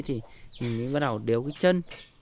thì mình mới bắt đầu đéo cái chân